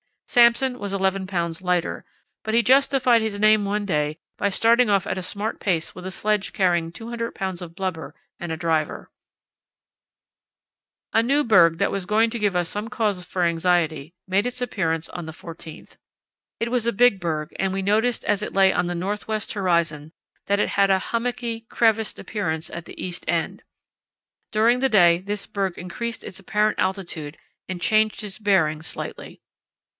Samson was 11 lbs. lighter, but he justified his name one day by starting off at a smart pace with a sledge carrying 200 lbs. of blubber and a driver. [Illustration: Pylon Avenue] [Illustration: The Long, Long Night] A new berg that was going to give us some cause for anxiety made its appearance on the 14th. It was a big berg, and we noticed as it lay on the north west horizon that it had a hummocky, crevassed appearance at the east end. During the day this berg increased its apparent altitude and changed its bearing slightly.